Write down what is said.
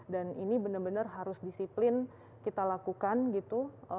dan ini benar benar harus disiplin kita lakukan gitu